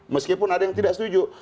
meskipun ada yang tidak setuju